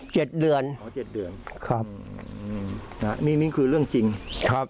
เจ็ดเดือนอ๋อเจ็ดเดือนครับอืมนะฮะนี่นี่คือเรื่องจริงครับ